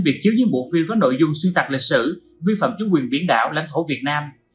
việc chiếu những bộ phim có nội dung xuyên tạc lịch sử vi phạm chủ quyền biển đảo lãnh thổ việt nam